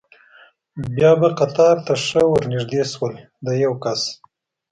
بیا به قطار ته ښه ور نږدې شول، د یو کس.